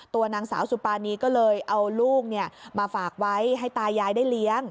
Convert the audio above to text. ตัวนางสาวสุปานีก็เลยเอาลูกมาฝากไว้ให้ตายายได้เลี้ยง